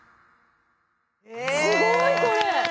すごい、これ。